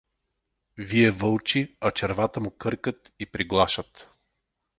Вие вълчи, а червата му къркат и приглашат.